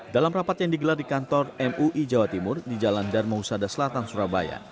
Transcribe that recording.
dalam rapat yang digelar di kantor mui jawa timur di jalan dharma husada selatan surabaya